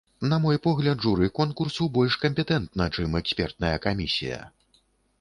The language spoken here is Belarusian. На мой погляд, журы конкурсу больш кампетэнтна, чым экспертная камісія.